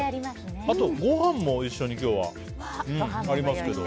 あと、ご飯も一緒に今日はありますけど。